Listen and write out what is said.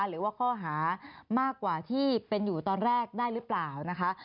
หรือว่าข้อหามากกว่าที่เป็นอยู่ตอนแรกได้หรือเปล่านะคะ